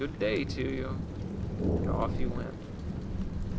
Good day to you." And off he went.